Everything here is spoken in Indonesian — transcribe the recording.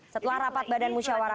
setelah rapat badan musyawarah